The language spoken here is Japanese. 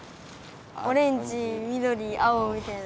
オレンジみどり青みたいな。